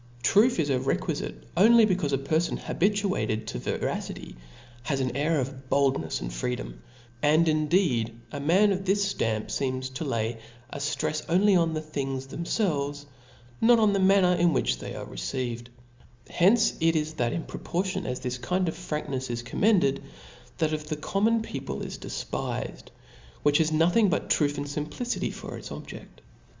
Truth is requifite only, bccaufe a perfon habituated to veracity has an air of boldncfs and freedom. And indeed, a man of this ftamp feems to lay a ftrefs only on the things 4* T H E S P I R I T Book* things themfelves,. not on the manner in wkich Ck»^'«. ^^^y ^^ received. Hence it is^^ that in proportion as this kind of franknefs is Commended, that of the common peo* pie is defpifed, which has nothing t>ut truth and fimpHcity for its objeft.